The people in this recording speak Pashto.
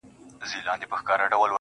حروف د ساز له سوره ووتل سرکښه سوله.